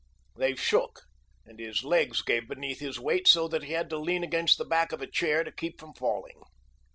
They shook, and his legs gave beneath his weight so that he had to lean against the back of a chair to keep from falling.